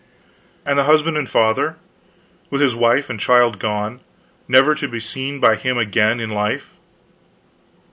And the husband and father, with his wife and child gone, never to be seen by him again in life?